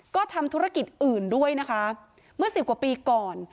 ก็ทำธุรกิจอื่นด้วยนะคะเมื่อสิบกว่าปีก่อน